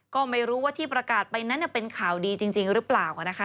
ก็ไม่รู้ว่าที่ประกาศไปนั้นเป็นข่าวดีจริงหรือเปล่านะคะ